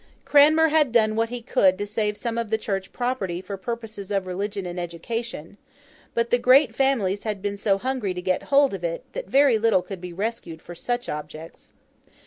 Cranmer had done what he could to save some of the Church property for purposes of religion and education; but, the great families had been so hungry to get hold of it, that very little could be rescued for such objects.